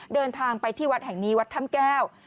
เดินทางไปที่วัดแห่งนี้วัดถ้ำแก้ว